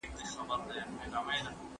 پوهان د ټولنې ډیوې دي.